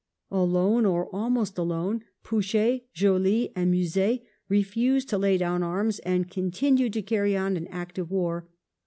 Alone, or almost alone, Pouchet, Joly and Musset refused to lay down arms, and continued to carry on an active war.